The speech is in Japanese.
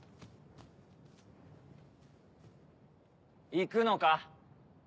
行くのか？